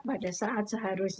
pada saat mereka berada di rumah